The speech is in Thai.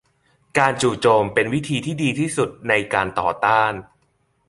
การจู่โจมเป็นวิธีที่ดีที่สุดในการต่อต้าน